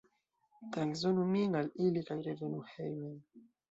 Transdonu min al ili kaj revenu hejmen.